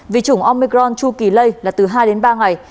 vì chủng omicron chu kỳ lây là từ hai đến ba ngày